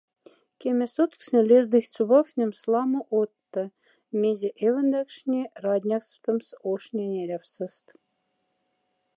Кеме сотксне лездыхть сувафнемс лама одта, мезе эвондакшни раднякстомф ошнень эряфсост.